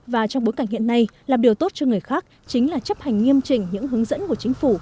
và trong bối cảnh hiện nay làm điều tốt cho người khác chính là chấp hành nghiêm trình những hướng dẫn của chính phủ